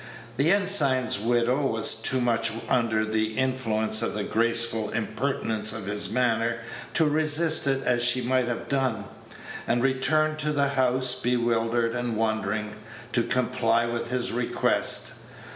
The ensign's widow was too much under the influence of the graceful impertinence of his manner to resist it as she might have done, and returned to the house, bewildered and wondering, to comply with his request.